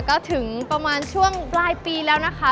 ก็ถึงประมาณช่วงปลายปีแล้วนะคะ